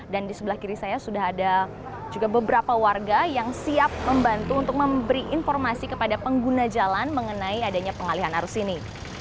dan di sebelah kiri saya sudah ada juga beberapa warga yang siap membantu untuk memberi informasi kepada pengguna jalan mengenai adanya pengalihan arus ini